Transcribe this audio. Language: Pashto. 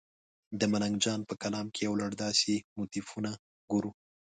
د ملنګ جان په کلام کې یو لړ داسې موتیفونه ګورو.